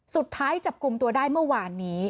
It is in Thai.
สุดท้ายจับกลุ่มตัวได้เมื่อวานนี้